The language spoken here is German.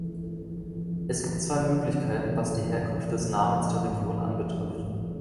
Es gibt zwei Möglichkeiten, was die Herkunft des Namens der Region anbetrifft.